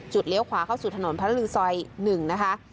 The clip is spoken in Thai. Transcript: เลี้ยวขวาเข้าสู่ถนนพระลือซอย๑นะคะ